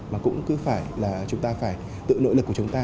mà cũng cứ phải là chúng ta phải tự nội lực của chúng ta